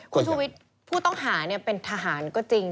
คุณชูวิทย์ผู้ต้องหาเป็นทหารก็จริง